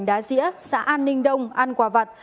phê đã đi đến khu vực ngành đá diện xã an ninh đông ăn quà vặt